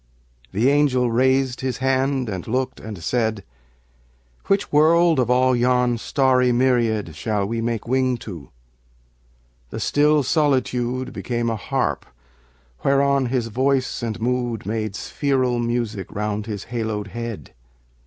The angel raised his hand and looked and said, "Which world, of all yon starry myriad Shall we make wing to?" The still solitude Became a harp whereon his voice and mood Made spheral music round his haloed head.